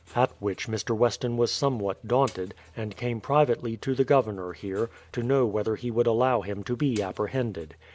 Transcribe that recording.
At which Mr. Weston was some what daunted, and came privately to the Governor here, to know whether he would allow him to be apprehended.